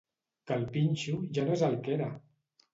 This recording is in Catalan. Cal Pinxo ja no és el que era!